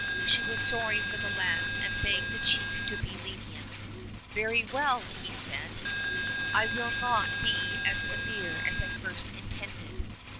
She was sorry for the lads and begged the chief to be lenient. ''Very well," he said, "I will not be as severe as I at first intended.